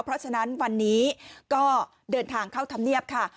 เพราะฉะนั้นวันนี้ก็เดินทางเข้าธรรมเนียบค่ะ